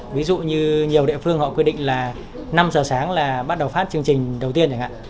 ví dụ như nhiều địa phương họ quyết định là năm giờ sáng là bắt đầu phát chương trình đầu tiên chẳng hạn